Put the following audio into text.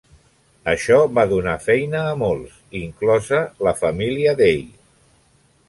Això va donar feina a molts, inclosa la família Day.